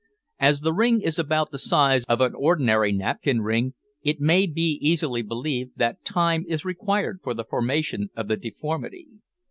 As the ring is about the size of an ordinary napkin ring, it may be easily believed, that time is required for the formation of the deformity.